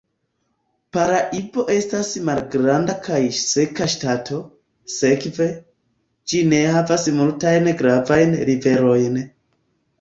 Paraibo estas malgranda kaj seka ŝtato, sekve, ĝi ne havas multajn gravajn riverojn.